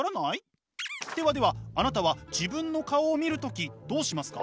ではではあなたは自分の顔を見る時どうしますか？